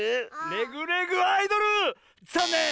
「レグ・レグ・アイドル」ざんねん！